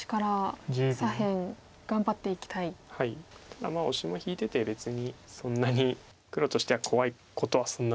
ただオシも引いてて別にそんなに黒としては怖いことはそんなないので。